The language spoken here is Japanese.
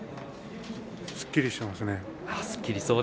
すっきりしますね。